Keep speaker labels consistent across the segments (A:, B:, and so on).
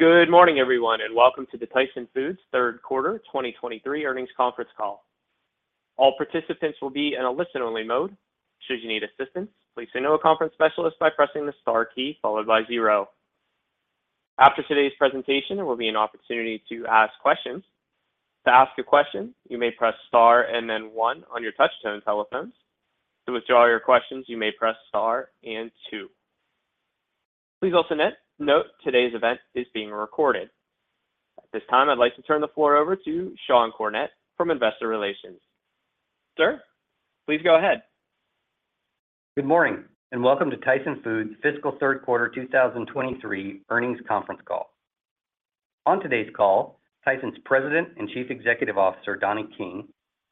A: Good morning, everyone, and welcome to the Tyson Foods third quarter 2023 earnings conference call. All participants will be in a listen-only mode. Should you need assistance, please signal a conference specialist by pressing the Star key followed by zero. After today's presentation, there will be an opportunity to ask questions. To ask a question, you may press star and then one on your touchtone telephones. To withdraw your questions, you may press star and two. Please also note today's event is being recorded. At this time, I'd like to turn the floor over to Sean Cornett from Investor Relations. Sir, please go ahead.
B: Good morning, welcome to Tyson Foods' fiscal third quarter 2023 earnings conference call. On today's call, Tyson's President and Chief Executive Officer, Donnie King,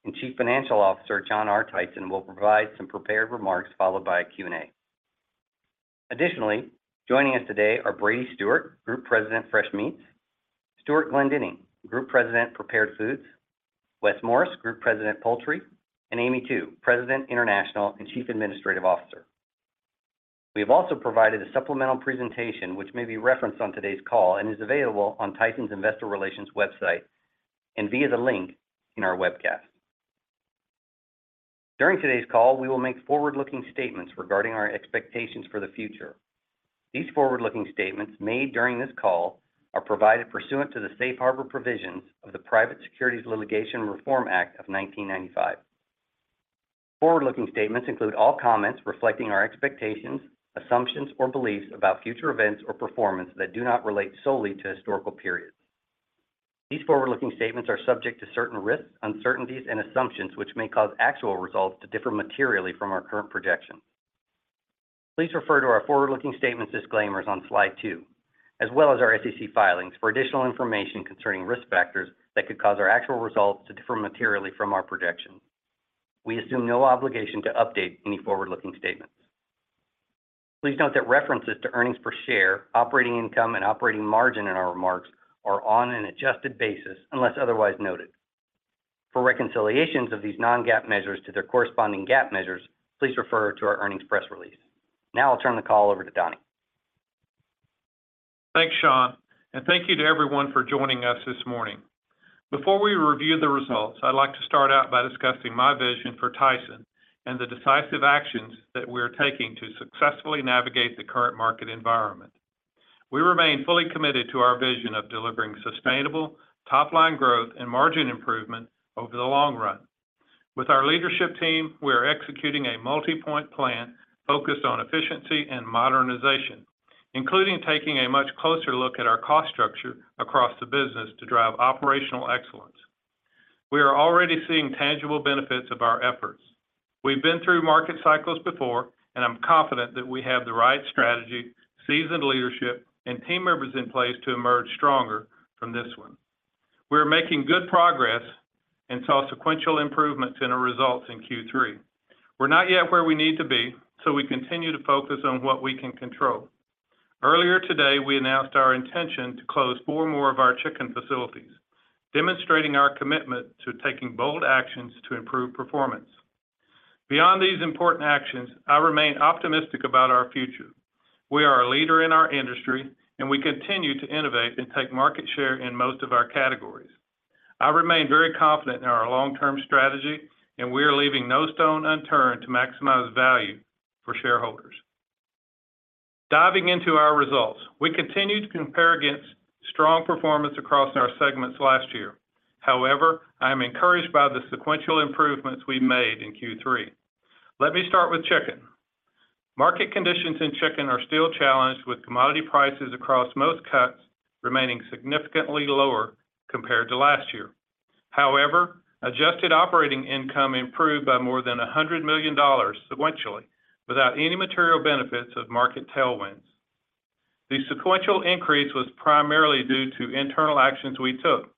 B: and Chief Financial Officer, John R. Tyson, will provide some prepared remarks, followed by a Q&A. Additionally, joining us today are Brady Stewart, Group President, Fresh Meats; Stewart Glendinning, Group President, Prepared Foods; Wes Morris, Group President, Poultry; and Amy Tu, President, International and Chief Administrative Officer. We have also provided a supplemental presentation which may be referenced on today's call and is available on Tyson's Investor Relations website and via the link in our webcast. During today's call, we will make forward-looking statements regarding our expectations for the future. These forward-looking statements made during this call are provided pursuant to the Safe Harbor Provisions of the Private Securities Litigation Reform Act of 1995. Forward-looking statements include all comments reflecting our expectations, assumptions, or beliefs about future events or performance that do not relate solely to historical periods. These forward-looking statements are subject to certain risks, uncertainties and assumptions which may cause actual results to differ materially from our current projections. Please refer to our forward-looking statements disclaimers on slide two, as well as our SEC filings for additional information concerning risk factors that could cause our actual results to differ materially from our projections. We assume no obligation to update any forward-looking statements. Please note that references to earnings per share, operating income, and operating margin in our remarks are on an adjusted basis unless otherwise noted. For reconciliations of these non-GAAP measures to their corresponding GAAP measures, please refer to our earnings press release. Now I'll turn the call over to Donnie.
C: Thanks, Sean, and thank you to everyone for joining us this morning. Before we review the results, I'd like to start out by discussing my vision for Tyson and the decisive actions that we are taking to successfully navigate the current market environment. We remain fully committed to our vision of delivering sustainable, top-line growth and margin improvement over the long run. With our leadership team, we are executing a multi-point plan focused on efficiency and modernization, including taking a much closer look at our cost structure across the business to drive operational excellence. We are already seeing tangible benefits of our efforts. We've been through market cycles before, and I'm confident that we have the right strategy, seasoned leadership, and team members in place to emerge stronger from this one. We are making good progress and saw sequential improvements in our results in Q3. We're not yet where we need to be. We continue to focus on what we can control. Earlier today, we announced our intention to close four more of our chicken facilities, demonstrating our commitment to taking bold actions to improve performance. Beyond these important actions, I remain optimistic about our future. We are a leader in our industry. We continue to innovate and take market share in most of our categories. I remain very confident in our long-term strategy. We are leaving no stone unturned to maximize value for shareholders. Diving into our results, we continue to compare against strong performance across our segments last year. However, I am encouraged by the sequential improvements we've made in Q3. Let me start with chicken. Market conditions in chicken are still challenged, with commodity prices across most cuts remaining significantly lower compared to last year. However, adjusted operating income improved by more than $100 million sequentially without any material benefits of market tailwinds. The sequential increase was primarily due to internal actions we took.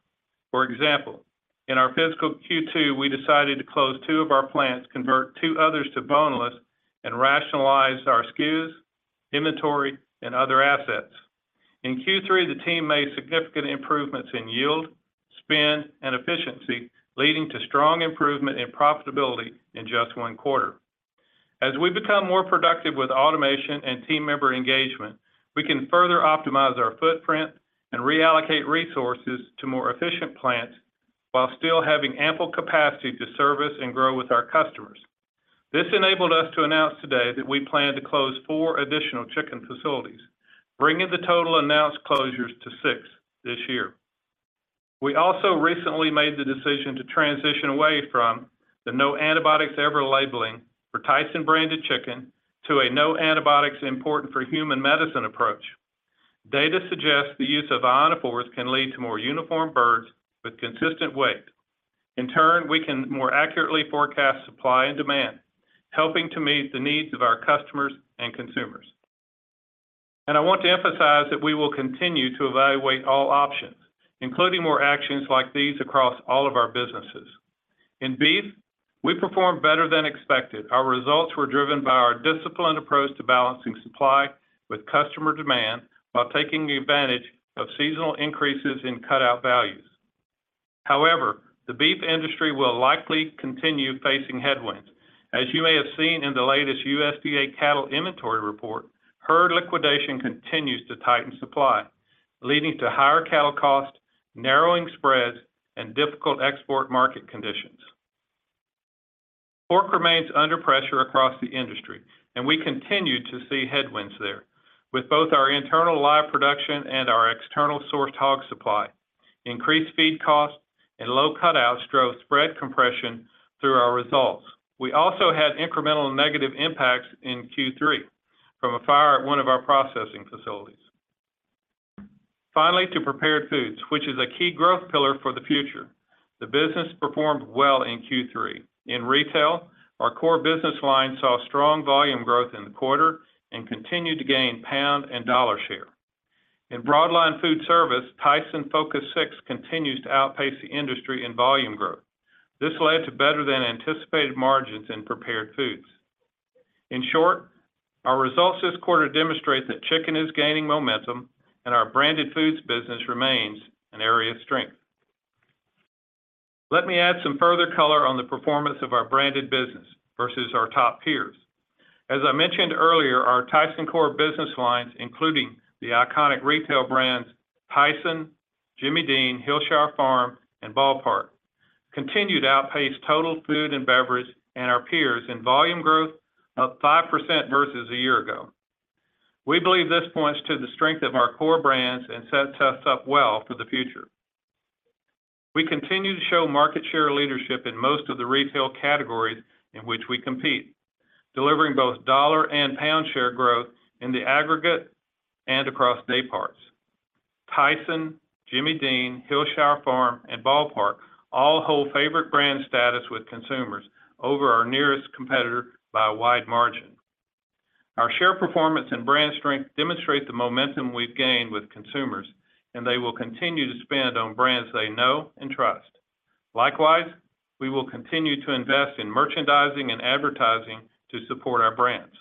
C: For example, in our fiscal Q2, we decided to close two of our plants, convert two others to boneless, and rationalize our SKUs, inventory, and other assets. In Q3, the team made significant improvements in yield, spend, and efficiency, leading to strong improvement in profitability in just one quarter. As we become more productive with automation and team member engagement, we can further optimize our footprint and reallocate resources to more efficient plants while still having ample capacity to service and grow with our customers. This enabled us to announce today that we plan to close 4 additional chicken facilities, bringing the total announced closures to six this year. We also recently made the decision to transition away from the No Antibiotics Ever labeling for Tyson branded chicken to a No Antibiotics Important for Human Medicine approach. Data suggests the use of ionophores can lead to more uniform birds with consistent weight. In turn, we can more accurately forecast supply and demand, helping to meet the needs of our customers and consumers. I want to emphasize that we will continue to evaluate all options, including more actions like these across all of our businesses. In beef, we performed better than expected. Our results were driven by our disciplined approach to balancing supply with customer demand while taking the advantage of seasonal increases in cutout values. However, the beef industry will likely continue facing headwinds. As you may have seen in the latest USDA cattle inventory report, herd liquidation continues to tighten supply, leading to higher cattle costs, narrowing spreads, and difficult export market conditions. Pork remains under pressure across the industry. We continue to see headwinds there. With both our internal live production and our external source hog supply, increased feed costs and low cutouts drove spread compression through our results. We also had incremental negative impacts in Q3 from a fire at one of our processing facilities. Finally, to Prepared Foods, which is a key growth pillar for the future. The business performed well in Q3. In retail, our core business line saw strong volume growth in the quarter and continued to gain pound and dollar share. In broadline food service, Tyson Focus 6 continues to outpace the industry in volume growth. This led to better-than-anticipated margins in Prepared Foods. In short, our results this quarter demonstrate that chicken is gaining momentum, and our branded foods business remains an area of strength. Let me add some further color on the performance of our branded business versus our top peers. As I mentioned earlier, our Tyson core business lines, including the iconic retail brands Tyson, Jimmy Dean, Hillshire Farm, and Ball Park, continued to outpace total food and beverage and our peers in volume growth of 5% versus a year ago. We believe this points to the strength of our core brands and sets us up well for the future. We continue to show market share leadership in most of the retail categories in which we compete, delivering both dollar and pound share growth in the aggregate and across day parts. Tyson, Jimmy Dean, Hillshire Farm, and Ball Park all hold favorite brand status with consumers over our nearest competitor by a wide margin. Our share performance and brand strength demonstrate the momentum we've gained with consumers, and they will continue to spend on brands they know and trust. Likewise, we will continue to invest in merchandising and advertising to support our brands.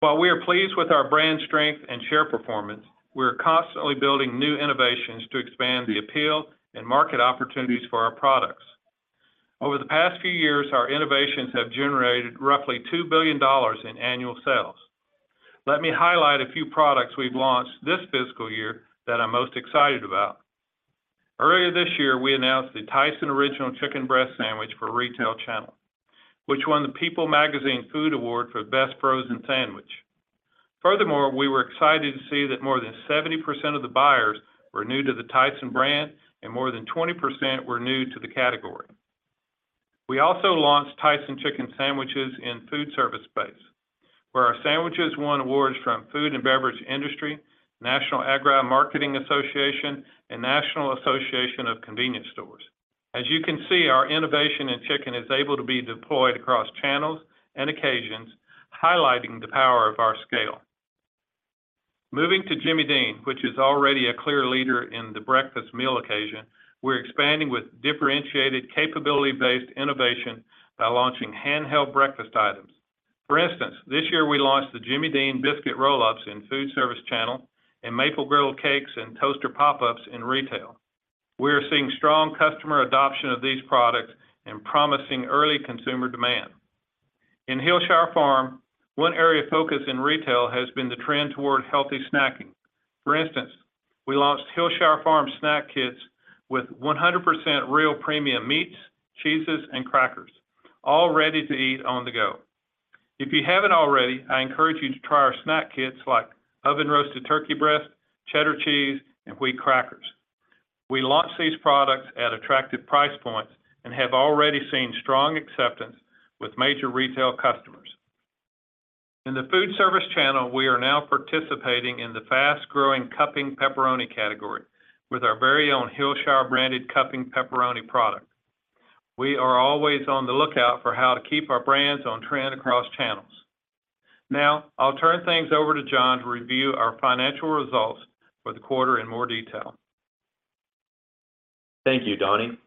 C: While we are pleased with our brand strength and share performance, we are constantly building new innovations to expand the appeal and market opportunities for our products. Over the past few years, our innovations have generated roughly $2 billion in annual sales. Let me highlight a few products we've launched this fiscal year that I'm most excited about. Earlier this year, we announced the Tyson Original Chicken Breast Sandwich for retail channel, which won the People Magazine Food Award for Best Frozen Sandwich. Furthermore, we were excited to see that more than 70% of the buyers were new to the Tyson brand and more than 20% were new to the category. We also launched Tyson Chicken Sandwiches in food service space, where our sandwiches won awards from Food and Beverage Industry, National Agri-Marketing Association, and National Association of Convenience Stores. As you can see, our innovation in chicken is able to be deployed across channels and occasions, highlighting the power of our scale. Moving to Jimmy Dean, which is already a clear leader in the breakfast meal occasion, we're expanding with differentiated, capability-based innovation by launching handheld breakfast items. For instance, this year we launched the Jimmy Dean Biscuit Roll-Ups in food service channel and Maple Griddle Cakes and Toaster Pop-Ups in retail. We are seeing strong customer adoption of these products and promising early consumer demand. In Hillshire Farm, one area of focus in retail has been the trend toward healthy snacking. For instance, we launched Hillshire Farm Snack Kits with 100% real premium meats, cheeses, and crackers, all ready to eat on the go. If you haven't already, I encourage you to try our snack kits like oven-roasted turkey breast, cheddar cheese, and wheat crackers. We launched these products at attractive price points and have already seen strong acceptance with major retail customers. In the food service channel, we are now participating in the fast-growing cupping pepperoni category with our very own Hillshire-branded cupping pepperoni product. We are always on the lookout for how to keep our brands on trend across channels. Now, I'll turn things over to John to review our financial results for the quarter in more detail.
D: Thank you, Donnie.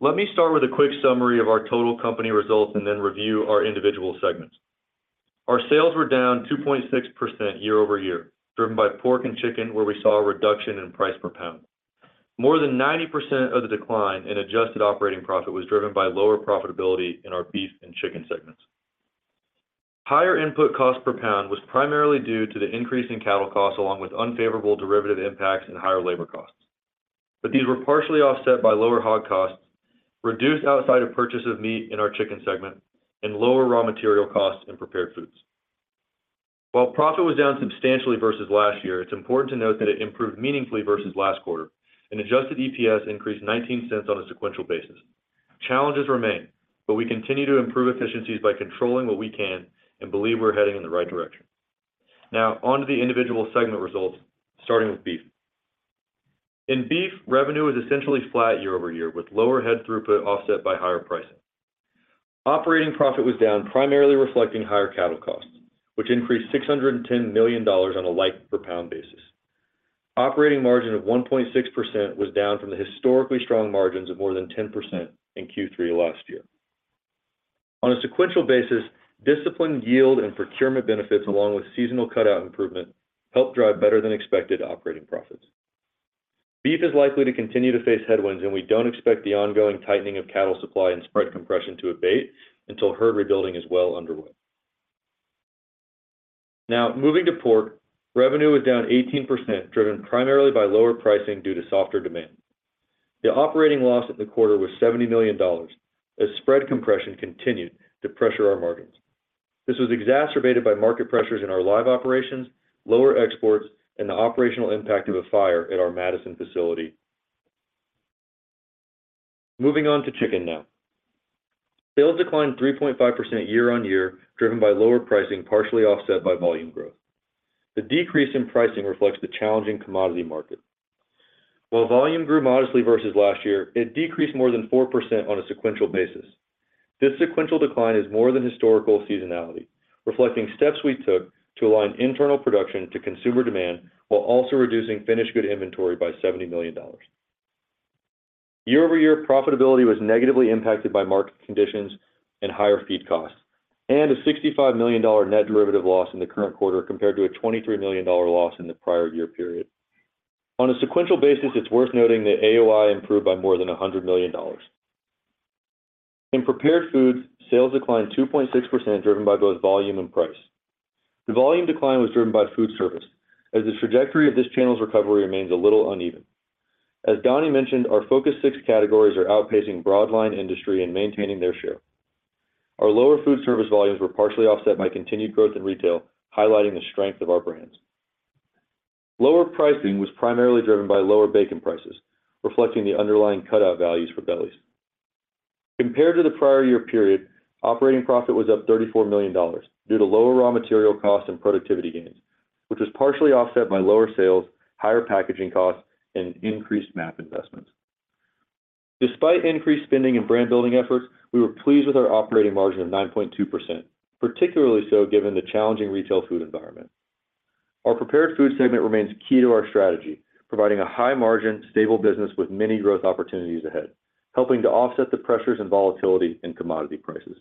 D: Let me start with a quick summary of our total company results and then review our individual segments. Our sales were down 2.6% year-over-year, driven by pork and chicken, where we saw a reduction in price per pound. More than 90% of the decline in adjusted operating profit was driven by lower profitability in our beef and chicken segments. Higher input cost per pound was primarily due to the increase in cattle costs, along with unfavorable derivative impacts and higher labor costs. These were partially offset by lower hog costs, reduced outside of purchase of meat in our chicken segment, and lower raw material costs in Prepared Foods. While profit was down substantially versus last year, it's important to note that it improved meaningfully versus last quarter, and adjusted EPS increased $0.19 on a sequential basis. Challenges remain, we continue to improve efficiencies by controlling what we can and believe we're heading in the right direction. On to the individual segment results, starting with beef. In beef, revenue is essentially flat year-over-year, with lower head throughput offset by higher pricing. Operating profit was down, primarily reflecting higher cattle costs, which increased $610 million on a like-per-pound basis. Operating margin of 1.6% was down from the historically strong margins of more than 10% in Q3 last year. On a sequential basis, disciplined yield and procurement benefits, along with seasonal cutout improvement, helped drive better-than-expected operating profits. Beef is likely to continue to face headwinds, we don't expect the ongoing tightening of cattle supply and spread compression to abate until herd rebuilding is well underway. Now, moving to pork, revenue was down 18%, driven primarily by lower pricing due to softer demand. The operating loss in the quarter was $70 million, as spread compression continued to pressure our margins. This was exacerbated by market pressures in our live operations, lower exports, and the operational impact of a fire at our Madison facility. Moving on to chicken now. Sales declined 3.5% year-on-year, driven by lower pricing, partially offset by volume growth. The decrease in pricing reflects the challenging commodity market. While volume grew modestly versus last year, it decreased more than 4% on a sequential basis. This sequential decline is more than historical seasonality, reflecting steps we took to align internal production to consumer demand, while also reducing finished good inventory by $70 million. Year-over-year profitability was negatively impacted by market conditions and higher feed costs, and a $65 million net derivative loss in the current quarter, compared to a $23 million loss in the prior year period. On a sequential basis, it's worth noting that AOI improved by more than $100 million. In Prepared Foods, sales declined 2.6%, driven by both volume and price. The volume decline was driven by food service, as the trajectory of this channel's recovery remains a little uneven. As Donnie mentioned, our Focus 6 categories are outpacing broad line industry and maintaining their share. Our lower food service volumes were partially offset by continued growth in retail, highlighting the strength of our brands. Lower pricing was primarily driven by lower bacon prices, reflecting the underlying cutout values for bellies. Compared to the prior year period, operating profit was up $34 million due to lower raw material costs and productivity gains, which was partially offset by lower sales, higher packaging costs, and increased MAP investments. Despite increased spending and brand-building efforts, we were pleased with our operating margin of 9.2%, particularly so given the challenging retail food environment. Our Prepared Foods Segment remains key to our strategy, providing a high margin, stable business with many growth opportunities ahead, helping to offset the pressures and volatility in commodity prices.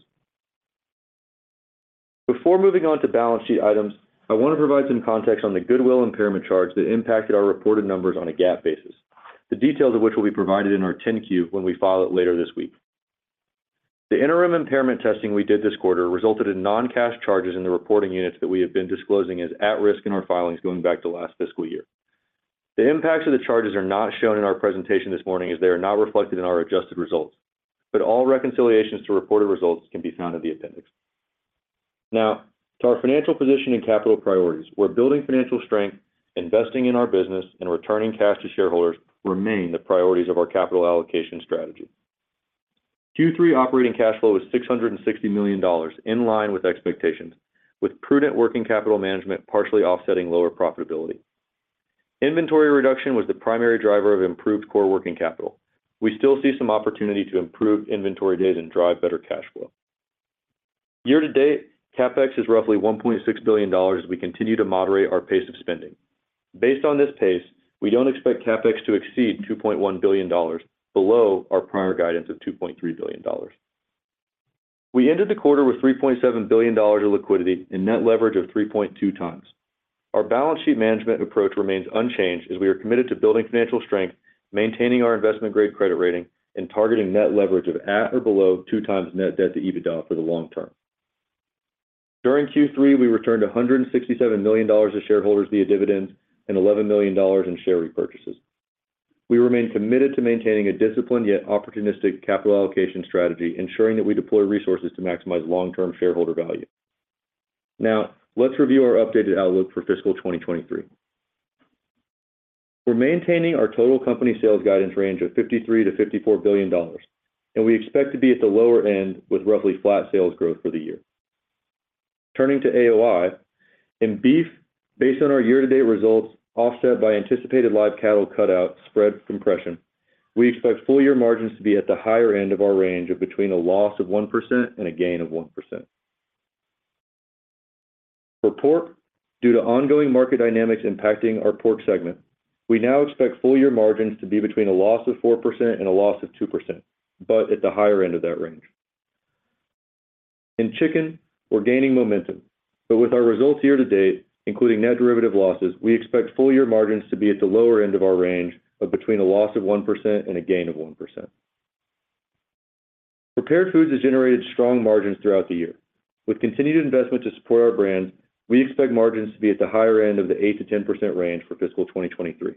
D: Before moving on to balance sheet items, I want to provide some context on the goodwill impairment charge that impacted our reported numbers on a GAAP basis. The details of which will be provided in our 10-Q when we file it later this week. The interim impairment testing we did this quarter resulted in non-cash charges in the reporting units that we have been disclosing as at risk in our filings going back to last fiscal year. The impacts of the charges are not shown in our presentation this morning as they are not reflected in our adjusted results, but all reconciliations to reported results can be found in the appendix. Now, to our financial position and capital priorities. We're building financial strength, investing in our business, and returning cash to shareholders remain the priorities of our capital allocation strategy. Q3 operating cash flow was $660 million, in line with expectations, with prudent working capital management partially offsetting lower profitability. Inventory reduction was the primary driver of improved core working capital. We still see some opportunity to improve inventory days and drive better cash flow. Year to date, CapEx is roughly $1.6 billion as we continue to moderate our pace of spending. Based on this pace, we don't expect CapEx to exceed $2.1 billion, below our prior guidance of $2.3 billion. We ended the quarter with $3.7 billion of liquidity and net leverage of 3.2x. Our balance sheet management approach remains unchanged as we are committed to building financial strength, maintaining our investment-grade credit rating, and targeting net leverage of at or below 2x net debt to EBITDA for the long term. During Q3, we returned $167 million to shareholders via dividends and $11 million in share repurchases. We remain committed to maintaining a disciplined yet opportunistic capital allocation strategy, ensuring that we deploy resources to maximize long-term shareholder value. Now, let's review our updated outlook for fiscal 2023. We're maintaining our total company sales guidance range of $53 billion-$54 billion, and we expect to be at the lower end with roughly flat sales growth for the year. Turning to AOI. In beef, based on our year-to-date results, offset by anticipated live cattle cutout spread compression, we expect full year margins to be at the higher end of our range of between a loss of 1% and a gain of 1%. For pork, due to ongoing market dynamics impacting our pork segment, we now expect full year margins to be between a loss of 4% and a loss of 2%, but at the higher end of that range. In chicken, we're gaining momentum, but with our results year to date, including net derivative losses, we expect full year margins to be at the lower end of our range of between a loss of 1% and a gain of 1%. Prepared Foods has generated strong margins throughout the year. With continued investment to support our brands, we expect margins to be at the higher end of the 8%-10% range for fiscal 2023.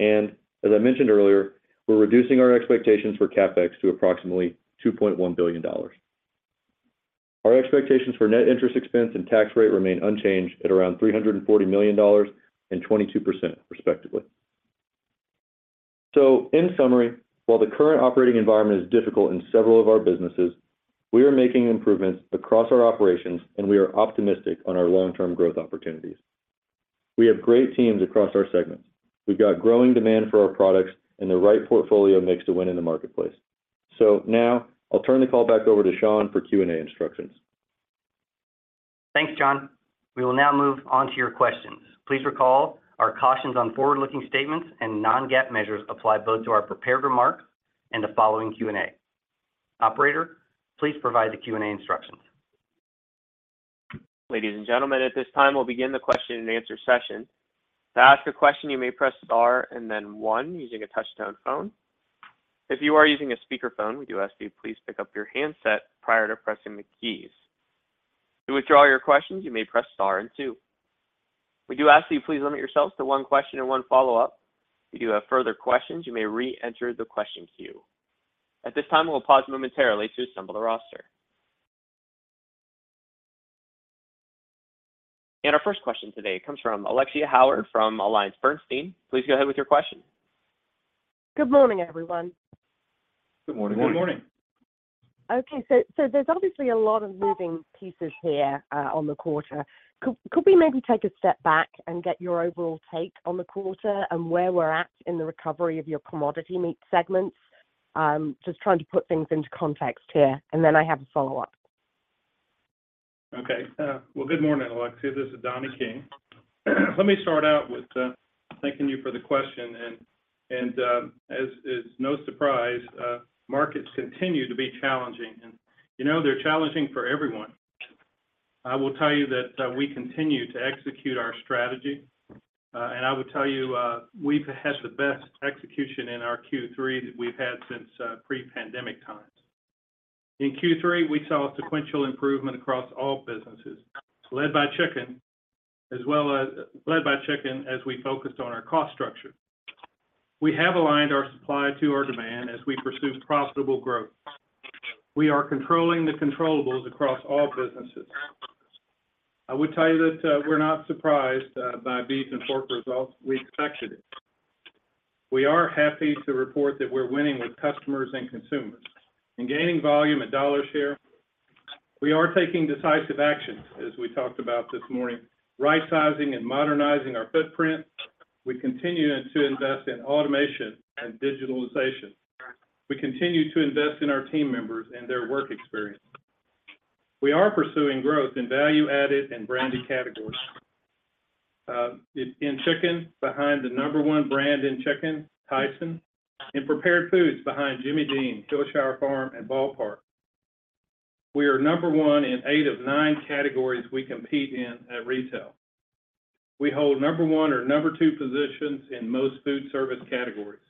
D: As I mentioned earlier, we're reducing our expectations for CapEx to approximately $2.1 billion. Our expectations for net interest expense and tax rate remain unchanged at around $340 million and 22%, respectively. In summary, while the current operating environment is difficult in several of our businesses, we are making improvements across our operations, and we are optimistic on our long-term growth opportunities. We have great teams across our segments. We've got growing demand for our products and the right portfolio mix to win in the marketplace. Now I'll turn the call back over to Sean for Q&A instructions.
B: Thanks, John. We will now move on to your questions. Please recall our cautions on forward-looking statements and non-GAAP measures apply both to our prepared remarks and the following Q&A. Operator, please provide the Q&A instructions.
A: Ladies and gentlemen, at this time, we'll begin the question-and-answer session. To ask a question, you may press star and then one using a touch-tone phone. If you are using a speakerphone, we do ask you to please pick up your handset prior to pressing the keys. To withdraw your questions, you may press star and two. We do ask that you please limit yourselves to one question and one follow-up. If you do have further questions, you may re-enter the question queue. At this time, we'll pause momentarily to assemble the roster. Our first question today comes from Alexia Howard from AllianceBernstein. Please go ahead with your question.
E: Good morning, everyone.
C: Good morning.
F: Good morning.
E: Okay, so there's obviously a lot of moving pieces here on the quarter. Could we maybe take a step back and get your overall take on the quarter and where we're at in the recovery of your commodity meat segments? Just trying to put things into context here, and then I have a follow-up.
C: Okay. Well, good morning, Alexia. This is Donnie King. Let me start out with, thanking you for the question, and, as is no surprise, markets continue to be challenging. You know, they're challenging for everyone. I will tell you that, we continue to execute our strategy, and I will tell you, we've had the best execution in our Q3 that we've had since, pre-pandemic times. In Q3, we saw a sequential improvement across all businesses, led by chicken, led by chicken, as we focused on our cost structure. We have aligned our supply to our demand as we pursue profitable growth. We are controlling the controllables across all businesses. I would tell you that, we're not surprised, by beef and pork results. We expected it. We are happy to report that we're winning with customers and consumers and gaining volume and dollar share. We are taking decisive action, as we talked about this morning, right-sizing and modernizing our footprint. We continue to invest in automation and digitalization. We continue to invest in our team members and their work experience. We are pursuing growth in value-added and branded categories. In, in chicken, behind the number one brand in chicken, Tyson, in prepared foods, behind Jimmy Dean, Hillshire Farm, and Ball Park. We are number one in eight of nine categories we compete in at retail. We hold number one or number two positions in most food service categories.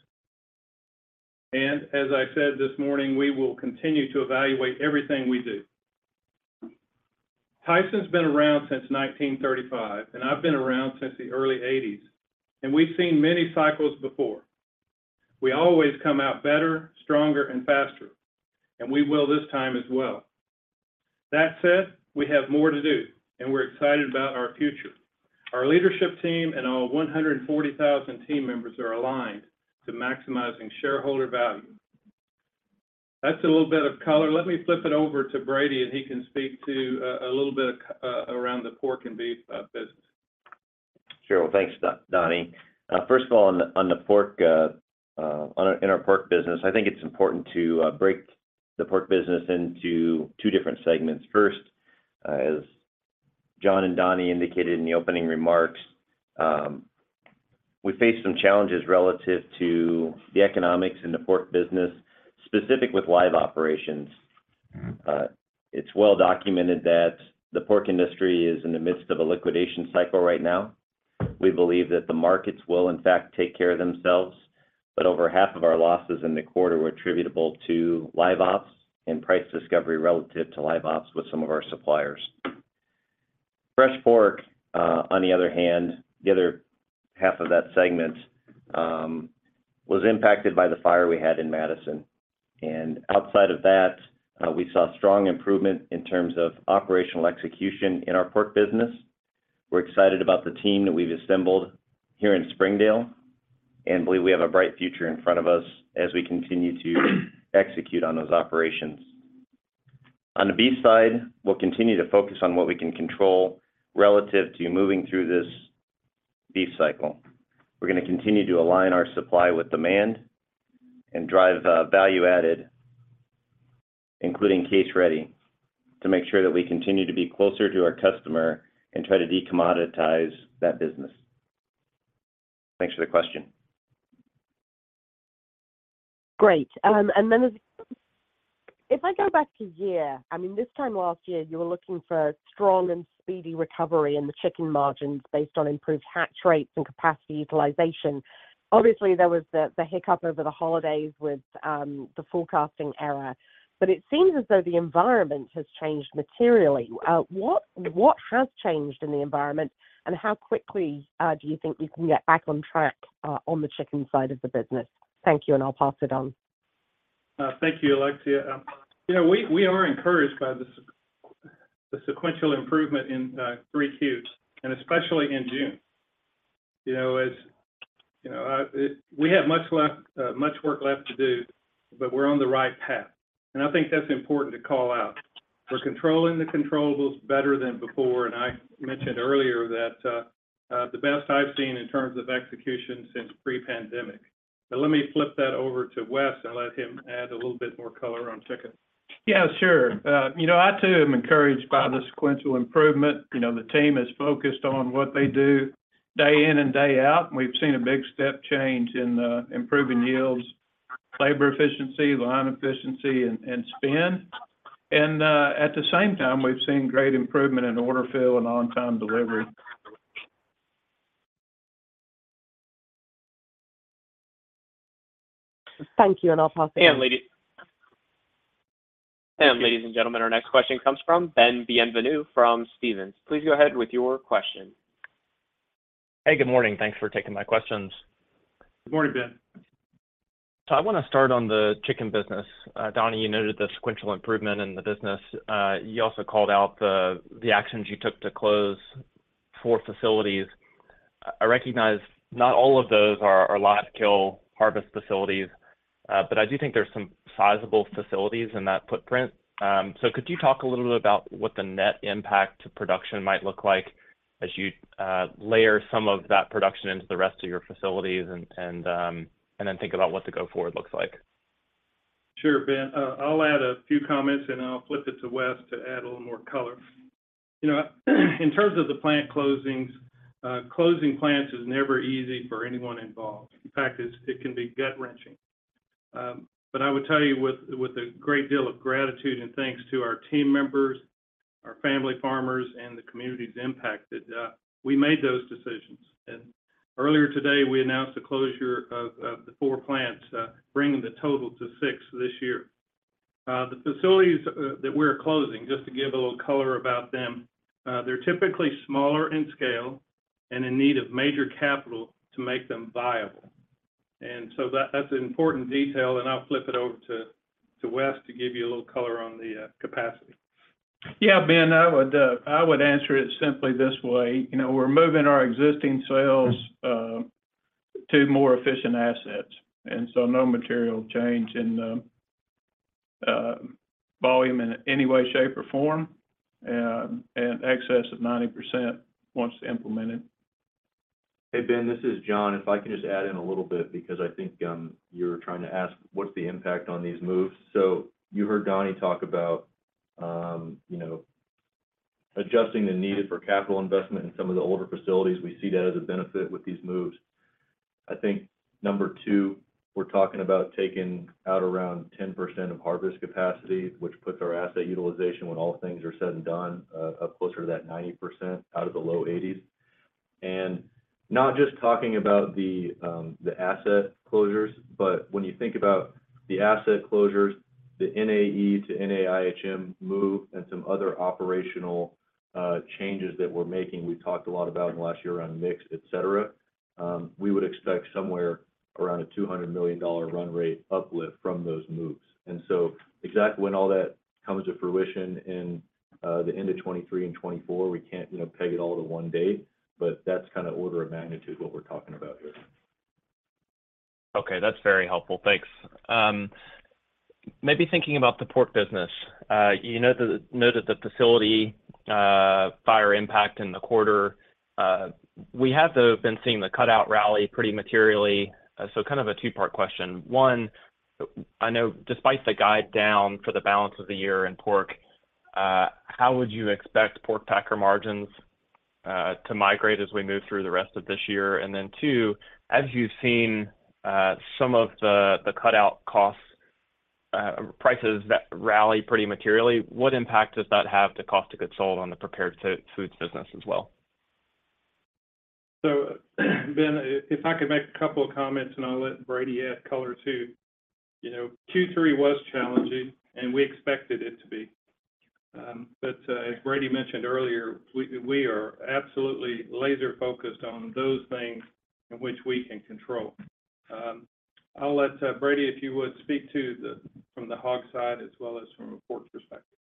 C: As I said this morning, we will continue to evaluate everything we do. Tyson's been around since 1935, and I've been around since the early 1980s, and we've seen many cycles before. We always come out better, stronger, and faster, and we will this time as well. That said, we have more to do, and we're excited about our future. Our leadership team and our 140,000 team members are aligned to maximizing shareholder value. That's a little bit of color. Let me flip it over to Brady, and he can speak to a little bit around the pork and beef business.
F: Sure. Well, thanks, Donnie. First of all, on the, on the pork, in our pork business, I think it's important to break the pork business into two different segments. First, as John and Donnie indicated in the opening remarks, we faced some challenges relative to the economics in the pork business, specific with live operations. It's well documented that the pork industry is in the midst of a liquidation cycle right now. We believe that the markets will in fact, take care of themselves, but over half of our losses in the quarter were attributable to live ops and price discovery relative to live ops with some of our suppliers. Fresh pork, on the other hand, the other half of that segment, was impacted by the fire we had in Madison. Outside of that, we saw strong improvement in terms of operational execution in our pork business. We're excited about the team that we've assembled here in Springdale and believe we have a bright future in front of us as we continue to execute on those operations. On the beef side, we'll continue to focus on what we can control relative to moving through this beef cycle. We're going to continue to align our supply with demand and drive value added, including case ready, to make sure that we continue to be closer to our customer and try to decommoditize that business. Thanks for the question.
E: Great. If I go back a year, I mean, this time last year, you were looking for strong and speedy recovery in the chicken margins based on improved hatch rates and capacity utilization. Obviously, there was the, the hiccup over the holidays with, the forecasting error, but it seems as though the environment has changed materially. What, what has changed in the environment, and how quickly, do you think you can get back on track, on the chicken side of the business? Thank you, and I'll pass it on.
C: Thank you, Alexia. You know, we, we are encouraged by the sequential improvement in 3 Qs, and especially in June. You know, as, you know, we have much left, much work left to do, but we're on the right path, and I think that's important to call out. We're controlling the controllables better than before, and I mentioned earlier that the best I've seen in terms of execution since pre-pandemic. Let me flip that over to Wes and let him add a little bit more color on chicken.
G: Yeah, sure. You know, I too am encouraged by the sequential improvement. You know, the team is focused on what they do day in and day out, and we've seen a big step change in improving yields, labor efficiency, line efficiency, and, and spend. At the same time, we've seen great improvement in order fill and on-time delivery.
A: Thank you. ladies and gentlemen, our next question comes from Ben Bienvenu from Stephens. Please go ahead with your question.
H: Hey, good morning. Thanks for taking my questions.
C: Good morning, Ben.
H: I want to start on the chicken business. Donnie, you noted the sequential improvement in the business. You also called out the actions you took to close four facilities. I recognize not all of those are live kill harvest facilities, but I do think there's some sizable facilities in that footprint. Could you talk a little bit about what the net impact to production might look like as you layer some of that production into the rest of your facilities, and then think about what the go-forward looks like?
C: Sure, Ben. I'll add a few comments, and then I'll flip it to Wes to add a little more color. You know, in terms of the plant closings, closing plants is never easy for anyone involved. In fact, it, it can be gut-wrenching. But I would tell you with, with a great deal of gratitude and thanks to our team members, our family farmers, and the communities impacted, we made those decisions. Earlier today, we announced the closure of, of the 4 plants, bringing the total to 6 this year. The facilities, that we're closing, just to give a little color about them, they're typically smaller in scale and in need of major capital to make them viable, and so that's an important detail, and I'll flip it over to, to Wes to give you a little color on the capacity.
G: Yeah, Ben, I would, I would answer it simply this way: you know, we're moving our existing sales, to more efficient assets, and so no material change in the, volume in any way, shape, or form, and excess of 90% once implemented.
D: Hey, Ben, this is John. If I can just add in a little bit because I think you're trying to ask what's the impact on these moves. You heard Donnie talk about, you know, adjusting the need for capital investment in some of the older facilities. We see that as a benefit with these moves. I think number two, we're talking about taking out around 10% of harvest capacity, which puts our asset utilization, when all things are said and done, up closer to that 90% out of the low 80s. Not just talking about the asset closures, but when you think about the asset closures, the NAE to NAIHM move, and some other operational changes that we're making, we talked a lot about in the last year around mix, et cetera, we would expect somewhere around a $200 million run rate uplift from those moves. Exactly when all that comes to fruition in the end of 2023 and 2024, we can't, you know, peg it all to one date, but that's kind of order of magnitude what we're talking about here.
H: Okay, that's very helpful. Thanks. Maybe thinking about the pork business, you know noted the facility fire impact in the quarter. We have, though, been seeing the cutout rally pretty materially. So kind of a two-part question. One, I know despite the guide down for the balance of the year in pork, how would you expect pork packer margins to migrate as we move through the rest of this year? Then two, as you've seen some of the cutout costs, prices that rally pretty materially, what impact does that have to cost to goods sold on the Prepared Foods business as well?
C: Ben, if I could make a couple of comments, and I'll let Brady add color, too. You know, Q3 was challenging, and we expected it to be. As Brady mentioned earlier, we, we are absolutely laser focused on those things in which we can control. I'll let Brady, if you would, speak to the from the hog side as well as from a pork perspective.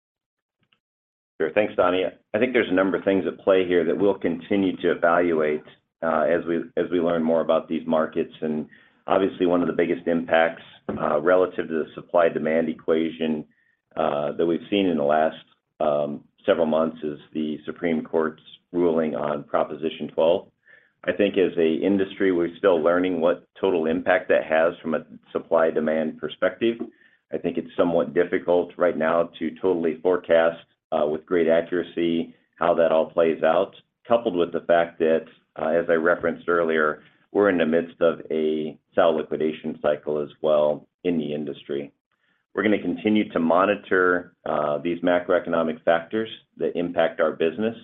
F: Sure. Thanks, Donnie. I think there's a number of things at play here that we'll continue to evaluate as we, as we learn more about these markets. Obviously, one of the biggest impacts relative to the supply-demand equation that we've seen in the last several months is the Supreme Court's ruling on Proposition 12. I think as a industry, we're still learning what total impact that has from a supply-demand perspective. I think it's somewhat difficult right now to totally forecast with great accuracy how that all plays out, coupled with the fact that, as I referenced earlier, we're in the midst of a sow liquidation cycle as well in the industry. We're going to continue to monitor these macroeconomic factors that impact our business.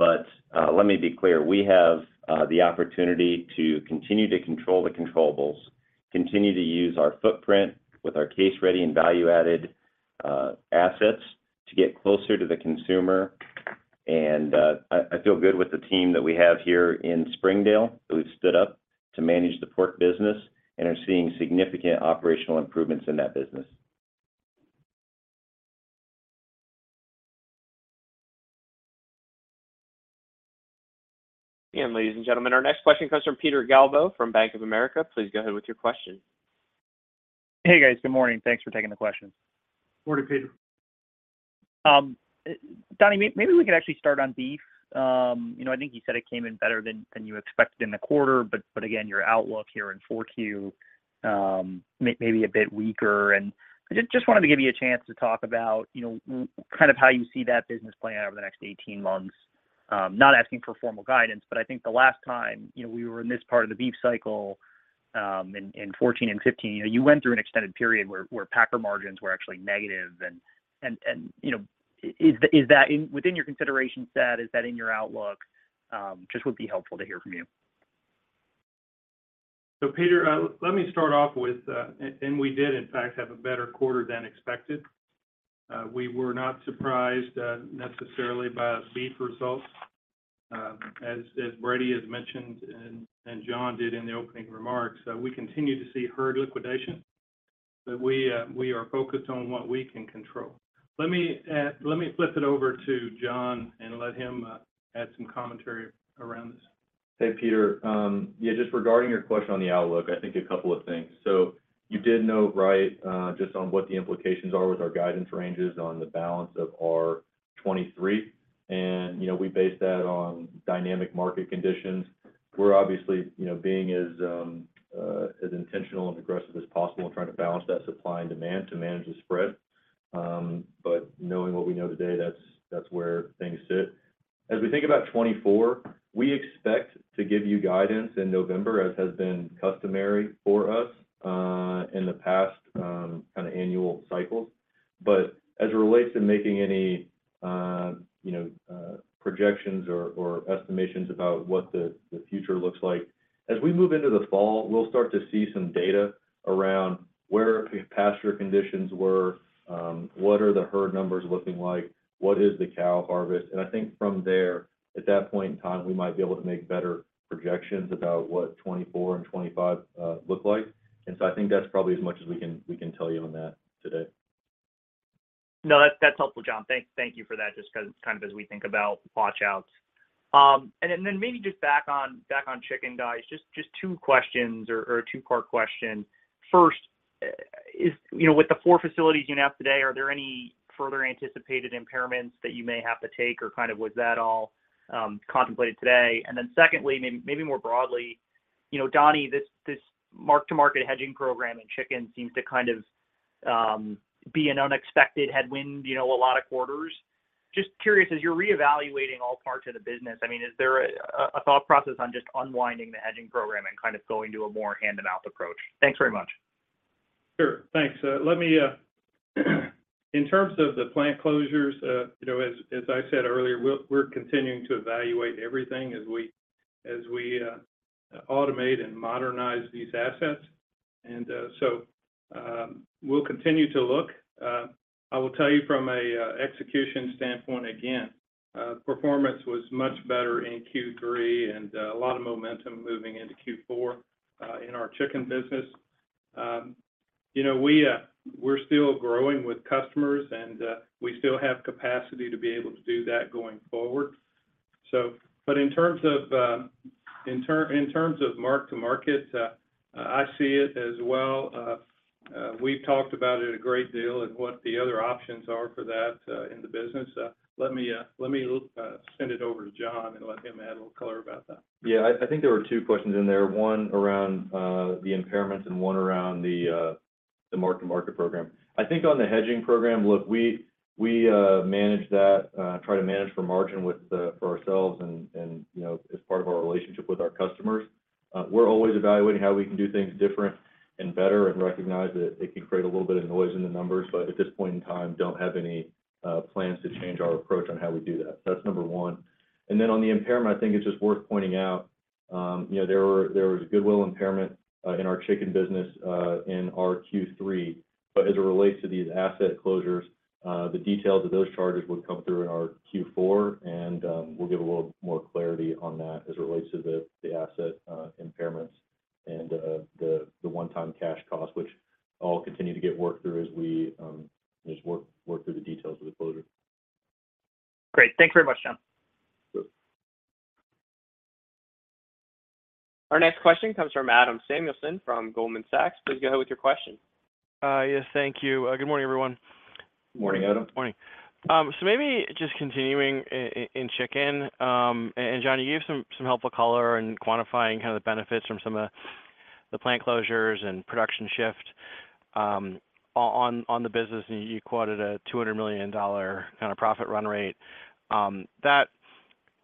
F: Let me be clear: we have the opportunity to continue to control the controllables, continue to use our footprint with our case-ready and value-added assets to get closer to the consumer. I, I feel good with the team that we have here in Springdale, who've stood up to manage the pork business and are seeing significant operational improvements in that business.
A: Ladies and gentlemen, our next question comes from Peter Galbo from Bank of America. Please go ahead with your question.
I: Hey, guys. Good morning. Thanks for taking the questions.
C: Morning, Peter.
I: Donnie, maybe we could actually start on beef. You know, I think you said it came in better than, than you expected in the quarter, but, but again, your outlook here in 4Q, maybe a bit weaker. I just, just wanted to give you a chance to talk about, you know, kind of how you see that business playing out over the next 18 months. Not asking for formal guidance, but I think the last time, you know, we were in this part of the beef cycle, in 2014 and 2015, you know, you went through an extended period where, where packer margins were actually negative. You know, is that in within your consideration set? Is that in your outlook? Just would be helpful to hear from you.
C: Peter, let me start off with. And we did, in fact, have a better quarter than expected. We were not surprised necessarily by our beef results. As Brady has mentioned, and John did in the opening remarks, we continue to see herd liquidation, but we are focused on what we can control. Let me let me flip it over to John and let him add some commentary around this.
D: Hey, Peter. Yeah, just regarding your question on the outlook, I think a couple of things. You did note right, just on what the implications are with our guidance ranges on the balance of our 2023, and, you know, we base that on dynamic market conditions. We're obviously, you know, being as intentional and aggressive as possible in trying to balance that supply and demand to manage the spread. Knowing what we know today, that's, that's where things sit. As we think about 2024, we expect to give you guidance in November, as has been customary for us in the past, kind of annual cycles. As it relates to making any, you know, projections or, or estimations about what the, the future looks like, as we move into the fall, we'll start to see some data around where pasture conditions were, what are the herd numbers looking like, what is the cow harvest? I think from there, at that point in time, we might be able to make better projections about what 2024 and 2025 look like. I think that's probably as much as we can, we can tell you on that today.
I: No, that's, that's helpful, John. Thank you for that, just because kind of as we think about watch outs. Maybe just back on, back on chicken, guys, just, just two questions or, or a two-part question. First, is, you know, with the four facilities you have today, are there any further anticipated impairments that you may have to take, or kind of was that all contemplated today? Secondly, maybe more broadly, you know, Donnie, this, this mark-to-market hedging program in chicken seems to kind of be an unexpected headwind, you know, a lot of quarters. Just curious, as you're reevaluating all parts of the business, I mean, is there a thought process on just unwinding the hedging program and kind of going to a more hand-in-mouth approach? Thanks very much.
C: Sure. Thanks. Let me, in terms of the plant closures, you know, as, as I said earlier, we're, we're continuing to evaluate everything as we, as we, automate and modernize these assets, and, so, we'll continue to look. I will tell you from a execution standpoint, again, performance was much better in Q3 and a lot of momentum moving into Q4, in our chicken business. You know, we, we're still growing with customers, and we still have capacity to be able to do that going forward. But in terms of, in terms of mark to market, I see it as well. We've talked about it a great deal and what the other options are for that, in the business. Let me, let me, send it over to John and let him add a little color about that.
D: Yeah, I, I think there were two questions in there. One around the impairments and one around the mark-to-market program. I think on the hedging program, look, we, we manage that, try to manage for margin for ourselves and, and, you know, as part of our relationship with our customers. We're always evaluating how we can do things different and better and recognize that it can create a little bit of noise in the numbers, but at this point in time, don't have any plans to change our approach on how we do that. That's number one. Then on the impairment, I think it's just worth pointing out, you know, there were, there was goodwill impairment in our chicken business in our Q3. As it relates to these asset closures, the details of those charges would come through in our Q4, and we'll give a little more clarity on that as it relates to the asset impairments and the one-time cash cost, which all continue to get worked through as we just work, work through the details of the closure.
I: Great. Thank you very much, John.
D: Sure.
A: Our next question comes from Adam Samuelson from Goldman Sachs. Please go ahead with your question.
J: Yes, thank you. Good morning, everyone.
D: Morning, Adam.
C: Morning.
J: Maybe just continuing in chicken. John, you gave some helpful color in quantifying kind of the benefits from some of the plant closures and production shift on the business, and you quoted a $200 million kind of profit run rate. That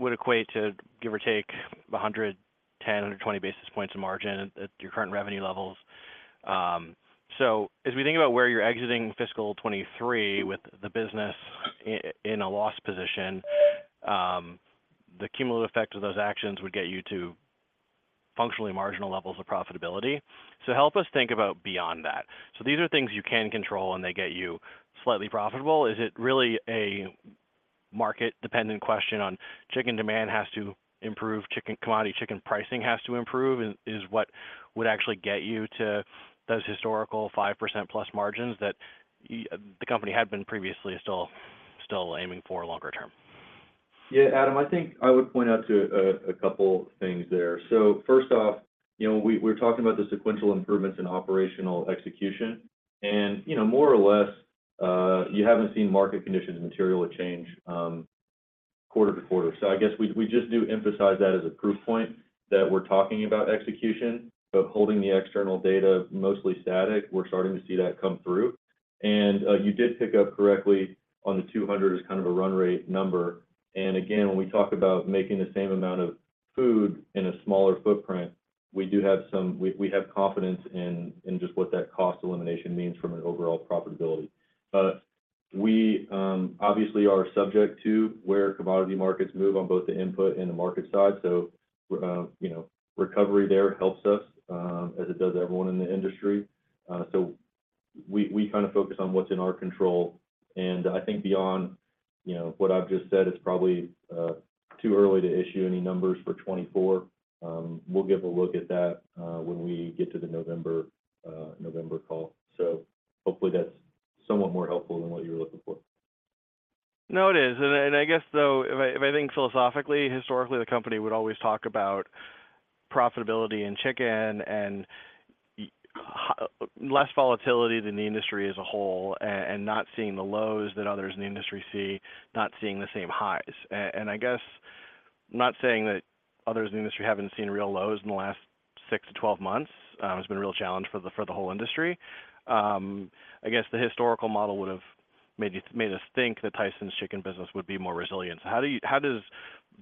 J: would equate to, give or take, 110 basis points-120 basis points of margin at your current revenue levels. As we think about where you're exiting fiscal 2023 with the business in a loss position, the cumulative effect of those actions would get you to functionally marginal levels of profitability. Help us think about beyond that. These are things you can control, and they get you slightly profitable. Is it really a market-dependent question on chicken demand has to improve, commodity chicken pricing has to improve, is what would actually get you to those historical 5%+ margins that the company had been previously still, still aiming for longer term?
D: Yeah, Adam, I think I would point out to a couple things there. First off, you know, we, we're talking about the sequential improvements in operational execution. You know, more or less, you haven't seen market conditions materially change, quarter to quarter. I guess we, we just do emphasize that as a proof point that we're talking about execution, but holding the external data mostly static, we're starting to see that come through. You did pick up correctly on the 200 as kind of a run rate number. Again, when we talk about making the same amount of food in a smaller footprint, we do have confidence in, in just what that cost elimination means from an overall profitability. We, obviously are subject to where commodity markets move on both the input and the market side. You know recovery there helps us, as it does everyone in the industry. We, we kind of focus on what's in our control. I think beyond, you know, what I've just said, it's probably too early to issue any numbers for 2024. We'll give a look at that, when we get to the November, November call. Hopefully, that's somewhat more helpful than what you were looking for.
J: No, it is. I guess, though, if I think philosophically, historically, the company would always talk about profitability in chicken and less volatility than the industry as a whole, and not seeing the lows that others in the industry see, not seeing the same highs. I guess, not saying that others in the industry haven't seen real lows in the last six to 12 months. It's been a real challenge for the, for the whole industry. I guess the historical model would have made us think that Tyson's chicken business would be more resilient. How do you... How does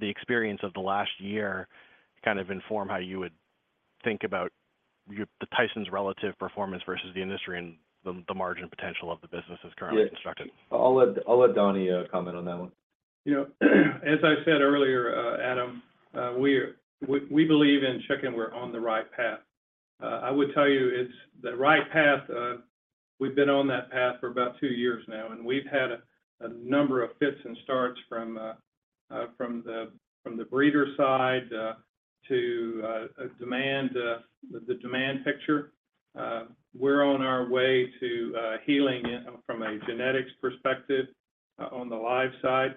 J: the experience of the last year kind of inform how you would think about your, the Tyson's relative performance versus the industry and the, the margin potential of the business as currently constructed?
D: Yeah. I'll let, I'll let Donnie comment on that one.
C: You know, as I said earlier, Adam, we're-- we, we believe in chicken, we're on the right path. I would tell you, it's the right path. We've been on that path for about two years now, and we've had a number of fits and starts from the, from the breeder side, to demand, the demand picture. We're on our way to healing from a genetics perspective on the live side.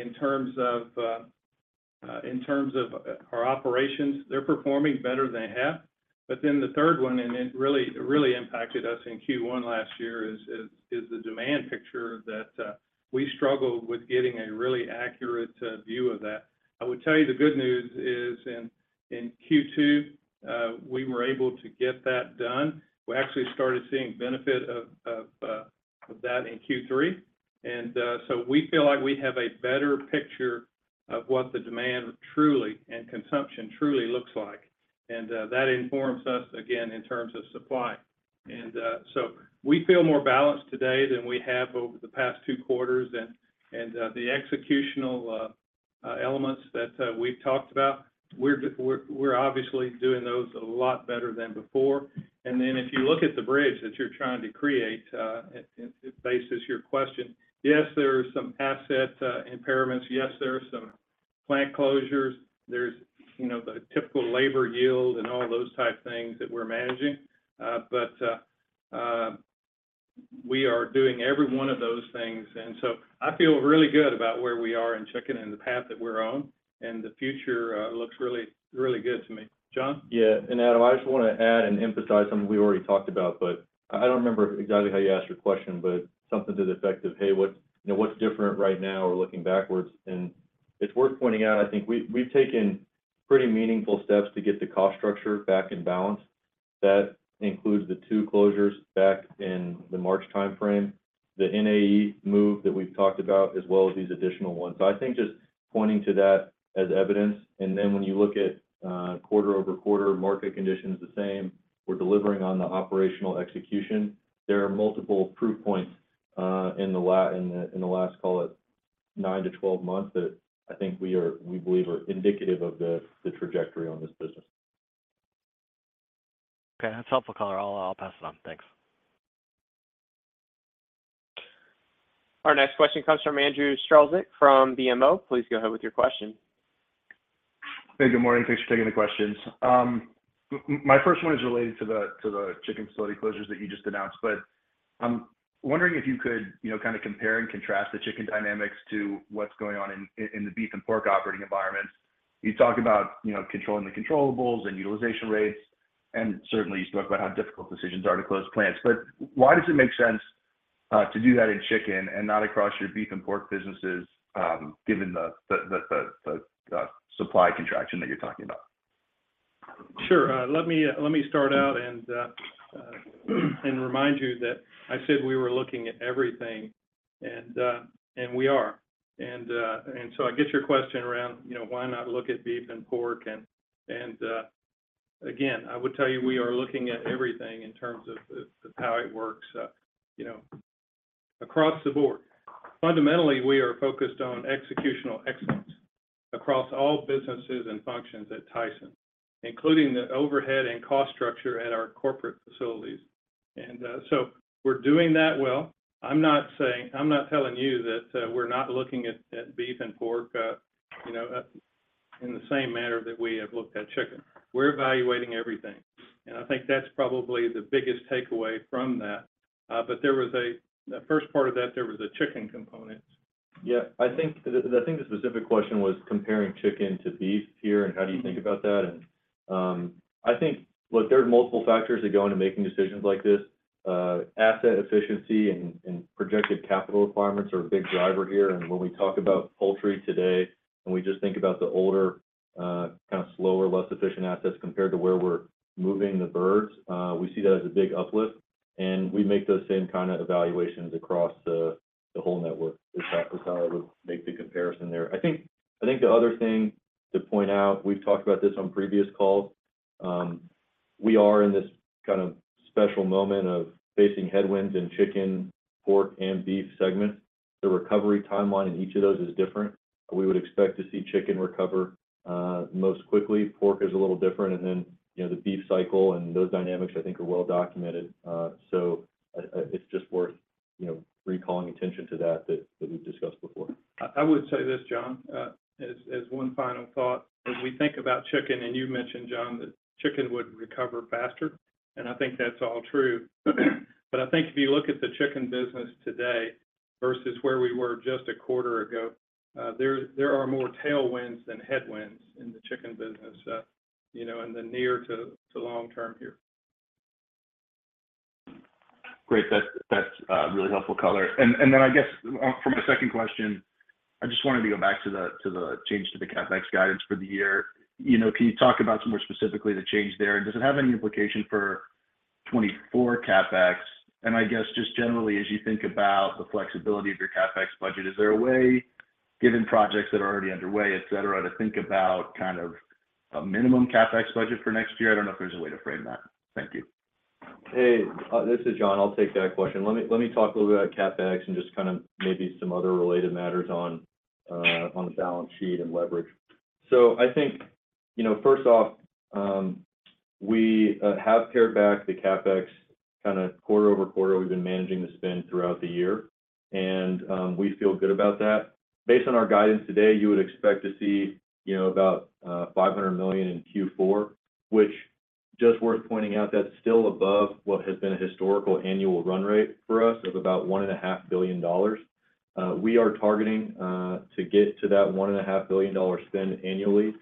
C: In terms of, in terms of our operations, they're performing better than they have. Then the third one, and it really, really impacted us in Q1 last year, is, is, is the demand picture that we struggled with getting a really accurate view of that. I would tell you the good news is in, in Q2, we were able to get that done. We actually started seeing benefit of, of that in Q3. So we feel like we have a better picture of what the demand truly and consumption truly looks like, that informs us again in terms of supply. So we feel more balanced today than we have over the past two quarters, and, and the executional elements that we've talked about, we're obviously doing those a lot better than before. Then if you look at the bridge that you're trying to create, it, faces your question. Yes, there are some asset impairments. Yes, there are some plant closures. There's, you know, the typical labor yield and all those type of things that we're managing. We are doing every one of those things, and so I feel really good about where we are in chicken and the path that we're on. The future looks really, really good to me. John?
D: Yeah, Adam, I just want to add and emphasize something we already talked about, but I, I don't remember exactly how you asked your question, but something to the effect of, "Hey, what's, you know, what's different right now or looking backwards?" It's worth pointing out, I think we, we've taken pretty meaningful steps to get the cost structure back in balance. That includes the two closures back in the March timeframe, the NAE move that we've talked about, as well as these additional ones. I think just pointing to that as evidence, and then when you look at, quarter-over-quarter, market conditions the same, we're delivering on the operational execution. There are multiple proof points, in the last, call it 9 to 12 months, that I think we believe are indicative of the, the trajectory on this business.
J: Okay, that's helpful. I'll pass it on. Thanks.
A: Our next question comes from Andrew Strelzik from BMO. Please go ahead with your question.
K: Hey, good morning. Thanks for taking the questions. My first one is related to the chicken facility closures that you just announced, but I'm wondering if you could, you know, kind of compare and contrast the chicken dynamics to what's going on in the beef and pork operating environments. You talk about, you know, controlling the controllables and utilization rates, and certainly you talk about how difficult decisions are to close plants. Why does it make sense to do that in chicken and not across your beef and pork businesses, given the supply contraction that you're talking about?
C: Sure. let me, let me start out and remind you that I said we were looking at everything, and we are. So I get your question around, you know, why not look at beef and pork, and, again, I would tell you, we are looking at everything in terms of, of, of how it works, you know, across the board. Fundamentally, we are focused on executional excellence across all businesses and functions at Tyson, including the overhead and cost structure at our corporate facilities. So we're doing that well. I'm not saying... I'm not telling you that we're not looking at, at beef and pork-... you know, in the same manner that we have looked at chicken. We're evaluating everything, and I think that's probably the biggest takeaway from that. There was the first part of that, there was a chicken component.
D: Yeah, I think the, I think the specific question was comparing chicken to beef here, and how do you think about that? I think, look, there are multiple factors that go into making decisions like this. Asset efficiency and, and projected capital requirements are a big driver here. When we talk about poultry today, and we just think about the older, kind of slower, less efficient assets compared to where we're moving the birds, we see that as a big uplift, and we make those same kind of evaluations across the, the whole network. That's how I would make the comparison there. I think, I think the other thing to point out, we've talked about this on previous calls, we are in this kind of special moment of facing headwinds in chicken, pork, and beef segment. The recovery timeline in each of those is different. We would expect to see chicken recover most quickly. Pork is a little different, and then, you know, the beef cycle and those dynamics, I think, are well documented. It's just worth, you know, recalling attention to that, that, that we've discussed before.
C: I, I would say this, John, as, as one final thought. When we think about chicken, and you mentioned, John, that chicken would recover faster, and I think that's all true. I think if you look at the chicken business today versus where we were just a quarter ago, there, there are more tailwinds than headwinds in the chicken business, you know, in the near to, to long term here.
K: Great. That's, that's really helpful color. Then I guess for my second question, I just wanted to go back to the, to the change to the CapEx guidance for the year. You know, can you talk about some more specifically the change there, and does it have any implication for 2024 CapEx? I guess just generally, as you think about the flexibility of your CapEx budget, is there a way, given projects that are already underway, et cetera, to think about kind of a minimum CapEx budget for next year? I don't know if there's a way to frame that. Thank you.
D: Hey, this is John. I'll take that question. Let me, let me talk a little bit about CapEx and just kind of maybe some other related matters on the balance sheet and leverage. I think, you know, first off, we have pared back the CapEx kind of quarter-over-quarter. We've been managing the spend throughout the year, and we feel good about that. Based on our guidance today, you would expect to see, you know, about $500 million in Q4, which just worth pointing out, that's still above what has been a historical annual run rate for us of about $1.5 billion. We are targeting to get to that $1.5 billion spend annually.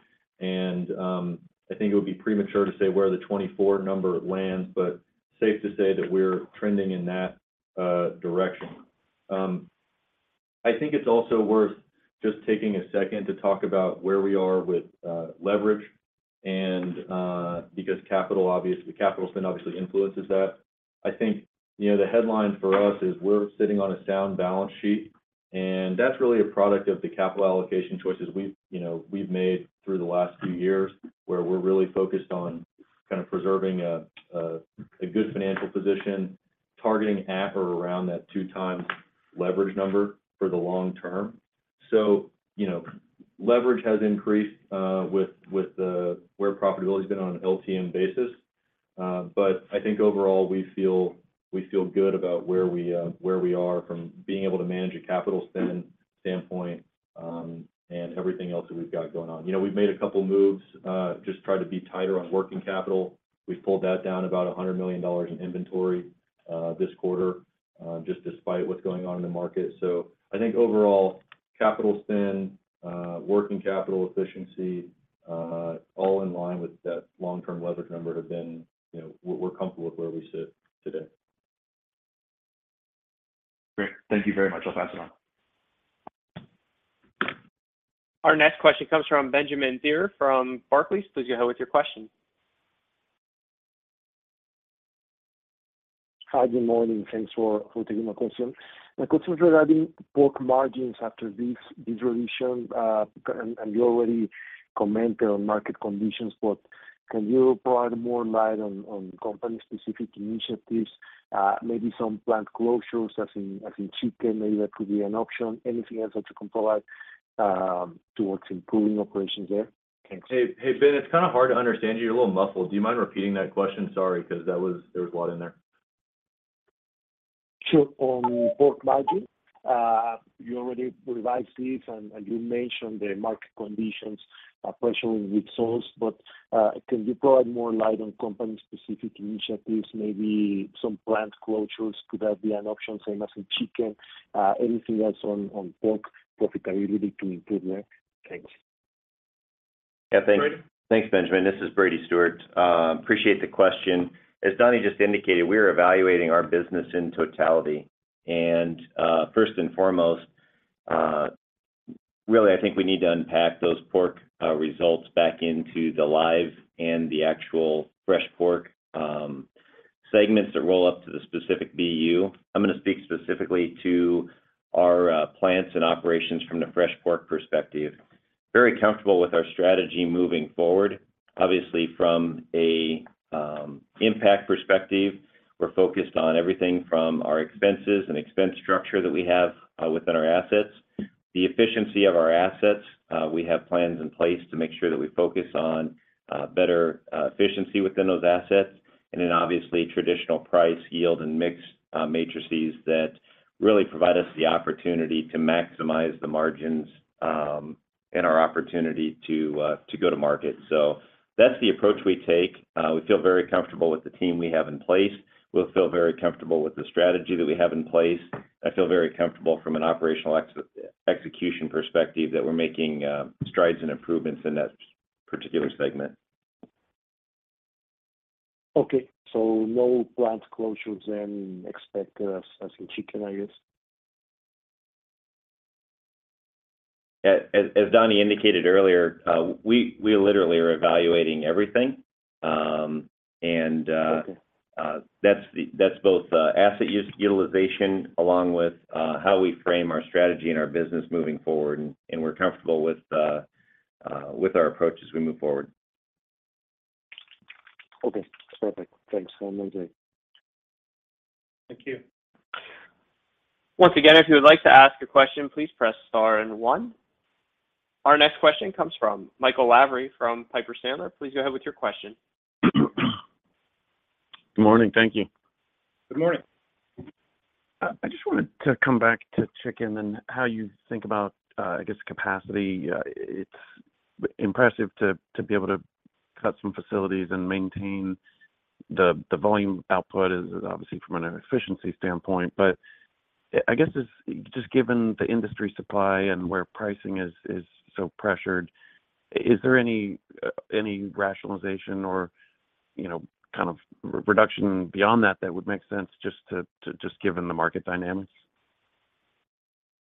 D: I think it would be premature to say where the 2024 number lands, but safe to say that we're trending in that direction. I think it's also worth just taking a second to talk about where we are with leverage because capital, obviously, capital spend obviously influences that. I think, you know, the headline for us is we're sitting on a sound balance sheet, that's really a product of the capital allocation choices we've, you know, we've made through the last few years, where we're really focused on kind of preserving a good financial position, targeting at or around that 2 times leverage number for the long term. You know, leverage has increased with, with the, where profitability has been on an LTM basis. I think overall, we feel, we feel good about where we are from being able to manage a capital spend standpoint, and everything else that we've got going on. You know, we've made a couple of moves just try to be tighter on working capital. We've pulled that down about $100 million in inventory this quarter just despite what's going on in the market. I think overall, capital spend, working capital efficiency, all in line with that long-term leverage number have been, you know, we're, we're comfortable with where we sit today.
K: Great. Thank you very much. I'll pass it on.
A: Our next question comes from Benjamin Theurer from Barclays. Please go ahead with your question.
L: Hi, good morning, thanks for, for taking my question. My question is regarding pork margins after this, this revision, and, and you already commented on market conditions, but can you provide more light on, on company-specific initiatives, maybe some plant closures, as in, as in chicken, maybe that could be an option, anything else that you can provide, towards improving operations there?
D: Hey, hey, Ben, it's kind of hard to understand you. You're a little muffled. Do you mind repeating that question? Sorry, because there was a lot in there.
L: Sure. On pork margin, you already revised this, and, and you mentioned the market conditions, partially with source, but, can you provide more light on company-specific initiatives, maybe some plant closures? Could that be an option, same as in chicken, anything else on, on pork, specifically to improve there? Thanks.
F: Yeah, thanks.
D: Brady?
F: Thanks, Benjamin. This is Brady Stewart. Appreciate the question. As Donnie just indicated, we are evaluating our business in totality. First and foremost, really, I think we need to unpack those pork results back into the live and the actual Fresh Pork segments that roll up to the specific BU. I'm going to speak specifically to our plants and operations from the Fresh Pork perspective. Very comfortable with our strategy moving forward. Obviously, from a impact perspective, we're focused on everything from our expenses and expense structure that we have within our assets. The efficiency of our assets, we have plans in place to make sure that we focus on better efficiency within those assets.... Obviously, traditional price yield and mixed matrices that really provide us the opportunity to maximize the margins, and our opportunity to go to market. That's the approach we take. We feel very comfortable with the team we have in place. We feel very comfortable with the strategy that we have in place. I feel very comfortable from an operational execution perspective that we're making strides and improvements in that particular segment.
M: Okay. no plant closures and expect, as in chicken, I guess?
F: As, as Donnie indicated earlier, we, we literally are evaluating everything.
M: Okay
F: that's the, that's both, asset use utilization, along with, how we frame our strategy and our business moving forward, and, and we're comfortable with, with our approach as we move forward.
M: Okay, perfect. Thanks so much.
C: Thank you.
A: Once again, if you would like to ask a question, please press star and one. Our next question comes from Michael Lavery from Piper Sandler. Please go ahead with your question.
N: Good morning. Thank you.
C: Good morning.
N: I just wanted to come back to chicken and how you think about, I guess, capacity. It's impressive to, to be able to cut some facilities and maintain the, the volume output is, is obviously from an efficiency standpoint, but, I guess, just, just given the industry supply and where pricing is, is so pressured, is there any, any rationalization or, you know, kind of reduction beyond that, that would make sense just given the market dynamics?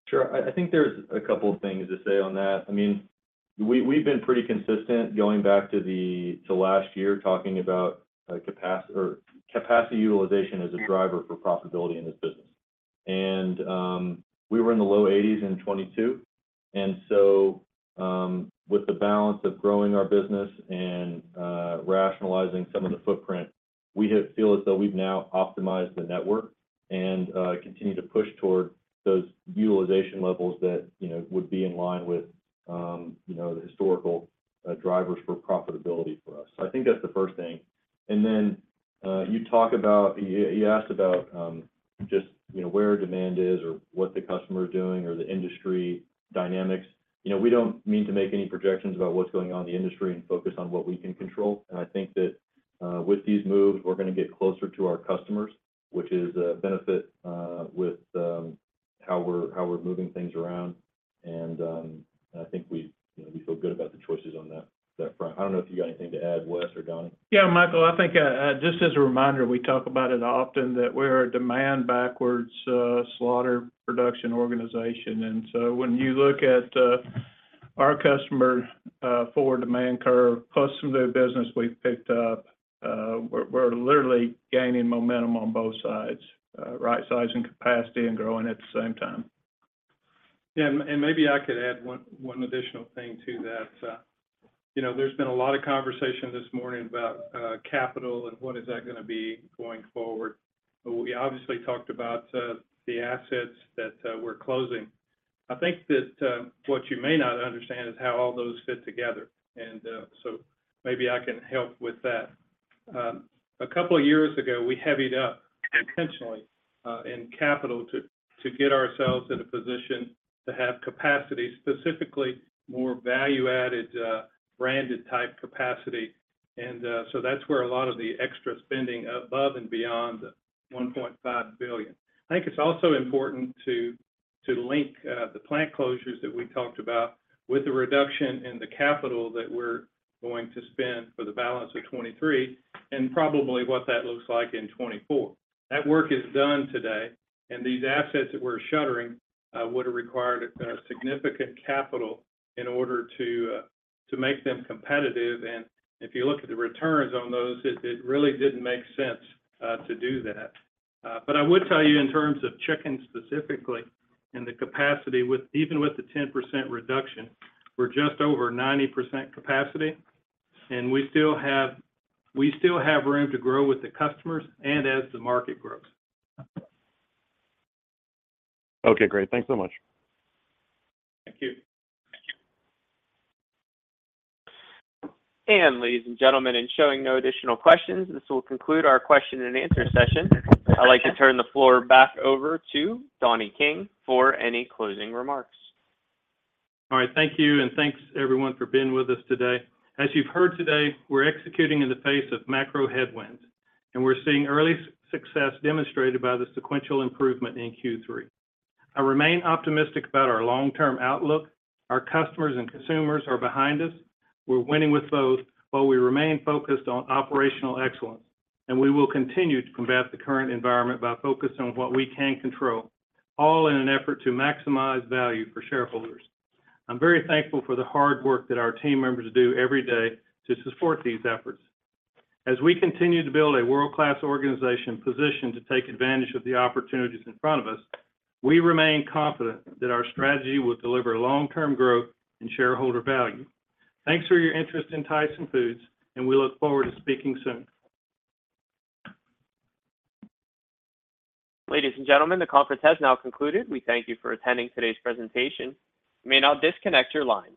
F: Sure. I, I think there's a couple of things to say on that. I mean, we, we've been pretty consistent going back to last year, talking about capacity utilization as a driver for profitability in this business. We were in the low 80s in 22, and so, with the balance of growing our business and rationalizing some of the footprint, we have feel as though we've now optimized the network and continue to push toward those utilization levels that, you know, would be in line with, you know, the historical drivers for profitability for us. I think that's the first thing. You asked about, just, you know, where demand is or what the customer is doing or the industry dynamics. You know, we don't mean to make any projections about what's going on in the industry and focus on what we can control, and I think that, with these moves, we're going to get closer to our customers, which is a benefit, with, how we're, how we're moving things around. I think we, you know, we feel good about the choices on that, that front. I don't know if you got anything to add, Wes or Donnie?
G: Yeah, Michael, I think, just as a reminder, we talk about it often that we're a demand backwards, slaughter production organization. So when you look at, our customer, for demand curve, plus some of the business we've picked up, we're, we're literally gaining momentum on both sides, right-sizing capacity and growing at the same time.
C: Yeah, and, and maybe I could add one, one additional thing to that. You know, there's been a lot of conversation this morning about capital and what is that going to be going forward, but we obviously talked about the assets that we're closing. I think that what you may not understand is how all those fit together, and maybe I can help with that. A couple of years ago, we heavied up intentionally in capital to, to get ourselves in a position to have capacity, specifically, more value-added, branded type capacity. That's where a lot of the extra spending above and beyond the $1.5 billion. I think it's also important to, to link the plant closures that we talked about with the reduction in the capital that we're going to spend for the balance of 2023, and probably what that looks like in 2024. That work is done today, and these assets that we're shuttering would have required a significant capital in order to make them competitive. And if you look at the returns on those, it, it really didn't make sense to do that. But I would tell you in terms of chicken specifically and the capacity with-- even with the 10% reduction, we're just over 90% capacity, and we still have, we still have room to grow with the customers and as the market grows.
N: Okay, great. Thanks so much.
C: Thank you.
F: Thank you.
A: Ladies and gentlemen, in showing no additional questions, this will conclude our question and answer session. I'd like to turn the floor back over to Donnie King for any closing remarks.
C: All right. Thank you, and thanks, everyone, for being with us today. As you've heard today, we're executing in the face of macro headwinds, and we're seeing early success demonstrated by the sequential improvement in Q3. I remain optimistic about our long-term outlook. Our customers and consumers are behind us. We're winning with both, while we remain focused on operational excellence, and we will continue to combat the current environment by focusing on what we can control, all in an effort to maximize value for shareholders. I'm very thankful for the hard work that our team members do every day to support these efforts. As we continue to build a world-class organization positioned to take advantage of the opportunities in front of us, we remain confident that our strategy will deliver long-term growth and shareholder value. Thanks for your interest in Tyson Foods, and we look forward to speaking soon.
A: Ladies and gentlemen, the conference has now concluded. We thank you for attending today's presentation. You may now disconnect your lines.